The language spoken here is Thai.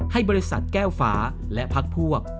ให้บริษัทแก้วฟ้าและพักพวก